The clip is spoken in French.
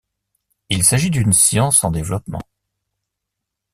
Il s’agit d’une science en développement.